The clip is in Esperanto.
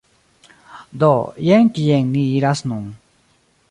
Do, jen kien ni iras nun